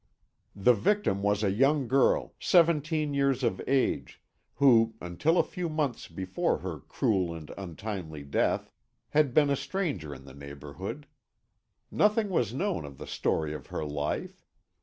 The victim was a young girl seventeen years of age, who, until a few months before her cruel and untimely death, had been a stranger in the neighbourhood. Nothing was known of the story of her life.